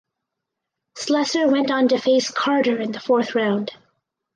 Slessor went on to face Carter in the fourth round.